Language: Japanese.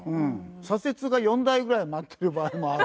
左折が４台ぐらい待ってる場合もある。